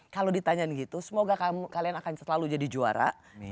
kalau ditanyain gitu semoga kalian akan selalu jadi juara